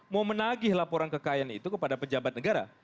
mau menagih laporan kekayaan itu kepada pejabat negara